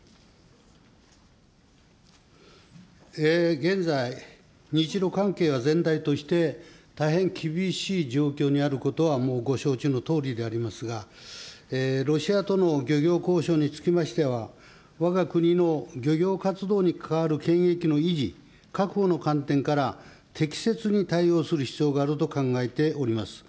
現在、日ロ関係は全体として、大変厳しい状況にあることはもうご承知のとおりでありますが、ロシアとの漁業交渉につきましては、わが国の漁業活動に関わる権益の維持、確保の観点から、適切に対応する必要があると考えております。